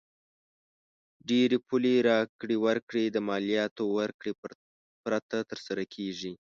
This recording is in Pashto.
ډېری پولي راکړې ورکړې د مالیاتو ورکړې پرته تر سره کیږي.